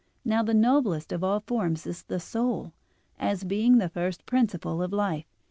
Now the noblest of all forms is the soul, as being the first principle of life.